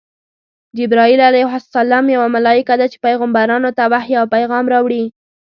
جبراییل ع یوه ملایکه ده چی پیغمبرانو ته وحی او پیغام راوړي.